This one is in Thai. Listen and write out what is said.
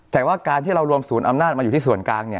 แต่ว่าการที่เรารวมศูนย์อำนาจมาอยู่ที่ส่วนกลาง